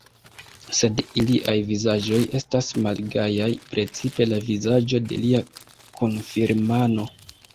Sed iliaj vizaĝoj estas malgajaj, precipe la vizaĝo de lia kunfirmano.